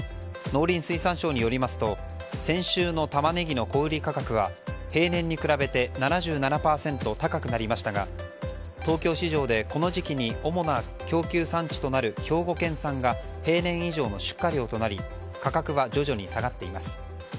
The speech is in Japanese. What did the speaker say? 農林水産省によりますと先週のタマネギの小売価格は平年に比べて７７％高くなりましたが東京市場でこの時期に主な供給産地となる兵庫県産が平年以上の出荷量になり価格は徐々に下がっています。